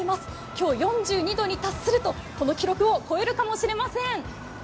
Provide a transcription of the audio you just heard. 今日４２度に達すると、この記録を超えるかもしれません。